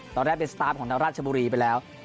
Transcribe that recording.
ตอนแรกเป็นสตาร์ฟของทางราชบุรีไปแล้ว